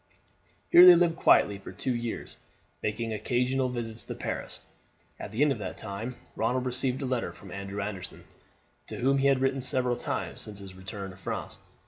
Here they lived quietly for two years, making occasional visits to Paris. At the end of that time Ronald received a letter from Andrew Anderson, to whom he had written several times since his return to France.